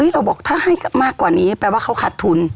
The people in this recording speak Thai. เราบอกถ้าให้มากกว่านี้แปลว่าเขาขาดทุน